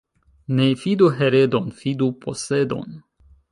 Ne fidu heredon, fidu posedon.